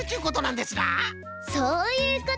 そういうこと！